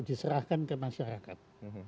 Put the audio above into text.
diserahkan ke masyarakat